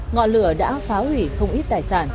ngọn lửa đã phá hủy không ít tài sản